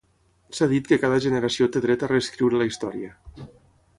S'ha dit que cada generació té dret a reescriure la història.